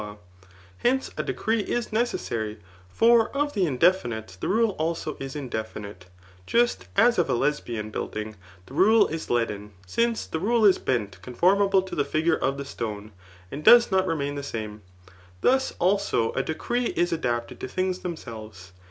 Jaw» Hence, a decree is necessary ; for of the indefinite .|be rul^ al^ is ijadefiuite, just as of a Lesbian building Digitized by Google C»AP. XI. ETHICS. 189 the rule is leaden ; ^nce the rule is ^nt conformsMe tjoi the figure of the stone, and does not remain the same* Tbus, also, a decree is adapted to things themselves.